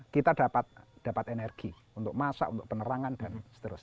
kita dapat energi untuk masak untuk penerangan dan seterusnya